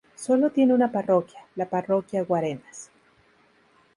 Sólo tiene una parroquia, la Parroquia Guarenas.